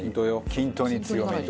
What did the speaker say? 均等に強めに。